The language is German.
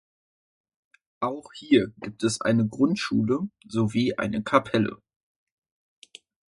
Auch hier gibt es eine Grundschule sowie eine Kapelle.